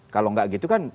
kalau gak gitu kan